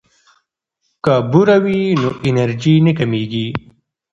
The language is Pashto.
که بوره وي نو انرژي نه کمیږي.